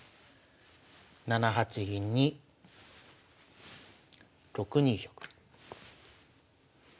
７八銀に６二玉。